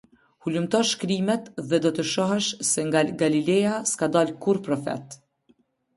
Hulumto Shkrimet dhe do të shohësh se nga Galilea s’ka dalë kurrë profet".